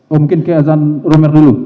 mungkin ke azan romer dulu